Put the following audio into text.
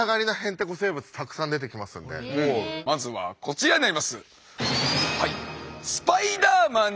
まずはこちらになります。